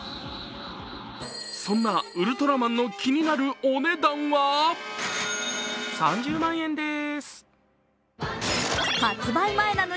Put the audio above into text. そんなウルトラマンの気になるお値段は３０万円でーす。